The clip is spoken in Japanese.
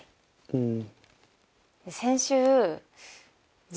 うん。